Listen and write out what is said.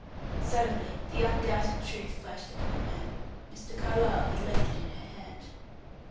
Suddenly the undoubted truth flashed upon her; Mr. Carlyle had left it in her hand.